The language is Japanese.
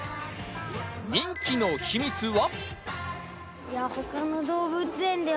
人気の秘密は？